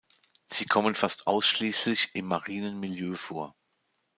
Sie kommen fast ausschließlich im marinen Milieu vor.